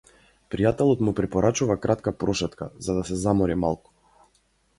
Пријателот му препорачува кратка прошетка, за да се замори малку.